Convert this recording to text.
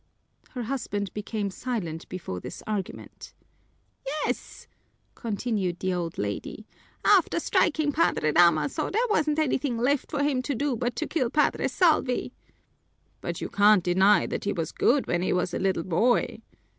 Her husband became silent before this argument. "Yes," continued the old lady, "after striking Padre Damaso there wasn't anything left for him to do but to kill Padre Salvi." "But you can't deny that he was good when he was a little boy."